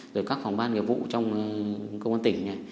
rồi các phòng ban nghiệp vụ trong công an tỉnh này